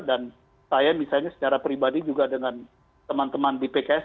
dan saya misalnya secara pribadi juga dengan teman teman di pks